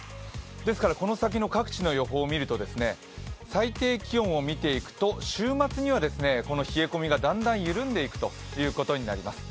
ですから、この先の各地の予報を見ると、最低気温を見ていくと週末には冷え込みがだんだん緩んでいくということになります。